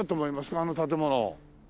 あの建物。